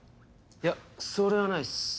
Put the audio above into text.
いやそれはないっす。